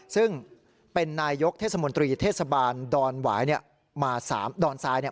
ซึ่งเป็นนายกเทศบนตรีเทศบาลดอนทราย